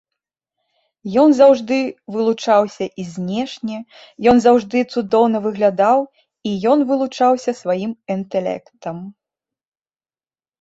Ён заўжды вылучаўся і знешне, ён заўжды цудоўна выглядаў і ён вылучаўся сваім інтэлектам.